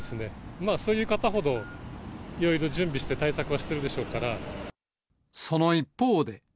まあそういう方ほど、いろいろ準備して、対策はしてるでしょうかその一方で。